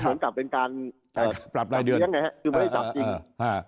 ก็หมุนกลับเป็นการปรับรายเดือนยังไงฮะคือไม่ได้จับจริงอ่า